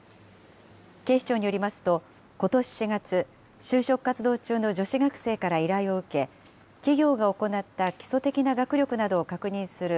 警視庁によりますと、ことし４月、就職活動中の女子学生から依頼を受け、企業が行った基礎的な学力などを確認する